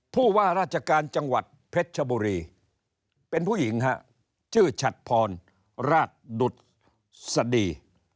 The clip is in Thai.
ผู้ว่าราชการจังหวัดเพชรชบุรีเป็นผู้หญิงฮะชื่อฉัดพรราชดุษฎี